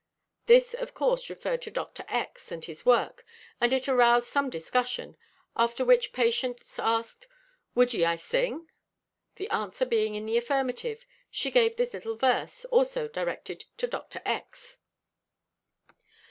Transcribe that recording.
This, of course, referred to Dr. X. and his work, and it aroused some discussion, after which Patience asked, "Would ye I sing?" The answer being in the affirmative, she gave this little verse, also directed to Dr. X.